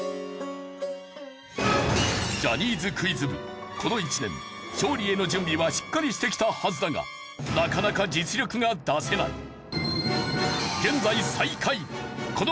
ジャニーズクイズ部この１年勝利への準備はしっかりしてきたはずだがなかなか実力が出せない。